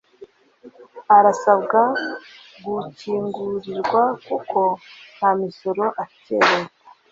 Arasabwa gukingurirwa kuko nta misoro afitiye Leta